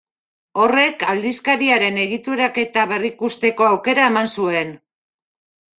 Horrek aldizkariaren egituraketa berrikusteko aukera eman zuen.